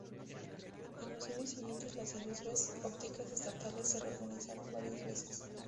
En los años siguientes, las industrias ópticas estatales se reorganizaron varias veces.